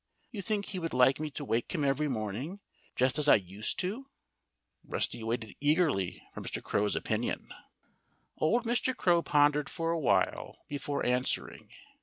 You think he would like me to wake him every morning, just as I used to?" Rusty waited eagerly for Mr. Crow's opinion. Old Mr. Crow pondered for a while before answering.